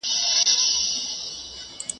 خوند ئې ښه دئ، را تله ئې!